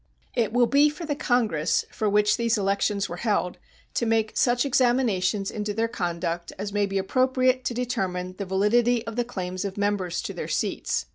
It will be for the Congress for which these elections were held to make such examinations into their conduct as may be appropriate to determine the validity of the claims of members to their seats.